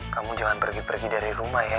kamu jangan pergi pergi dari rumah ya